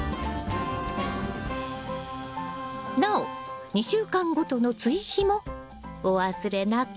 なお２週間ごとの追肥もお忘れなく。